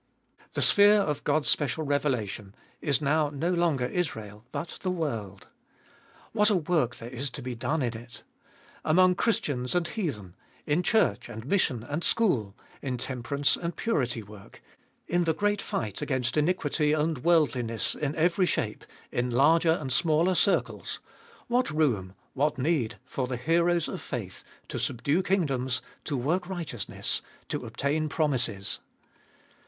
The sphere of God's special revelation is now no longer Israel, but the world. What a work there is to be done in it ! Among Christians and heathen, in church and mission and school, in temperance and purity work, in the great fight against iniquity and world liness in every shape, in larger and smaller circles — what room, what need for the heroes of faith to subdue kingdoms, to work righteousness, to obtain promises